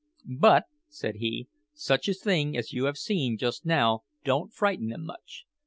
"But," said he, "such a thing as you have seen just now don't frighten them much.